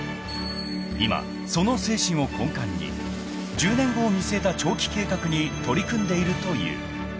［今その精神を根幹に１０年後を見据えた長期計画に取り組んでいるという］